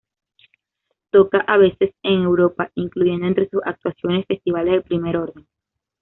Toca a veces en Europa incluyendo entre sus actuaciones festivales de primer orden.